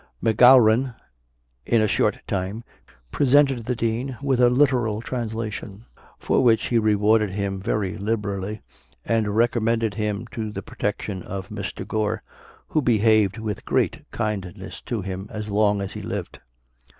Macgowran, in a short time, presented the Dean with a literal translation, for which he rewarded him very liberally, and recommended him to the protection of Mr. Gore, who behaved with great kindness to him as long as he lived.